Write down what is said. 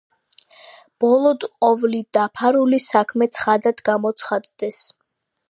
ბოლოდ ყოვლი დაფარული საქმე ცხადად გამოცხადდეს.